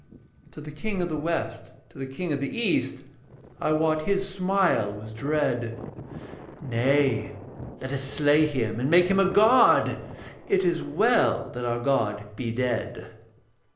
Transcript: Said the King of the West to the King of the East, I wot his smile was dread, 'Nay, let us slay him and make him a god, It is well that our god be dead.'